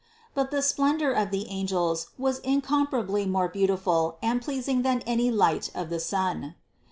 But the splendor of the angels was incom parably more beautiful and pleasing than any light of the sun.